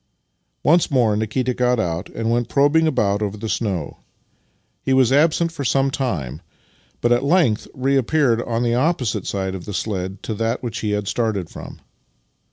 Once more Nikita got out and went probing about over the snow. He was absent for some time, but at length reappeared on the opposite side of the sledge to that which he had started from.